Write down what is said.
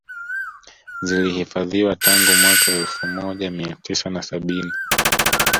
Zilihifadhiwa tangu mwaka wa elfu mojamia tisa na sabini